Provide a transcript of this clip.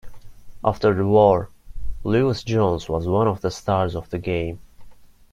After the war Lewis Jones was one of the stars of the game.